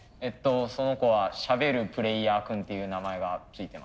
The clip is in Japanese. その子はしゃべるプレーヤー君っていう名前が付いてます。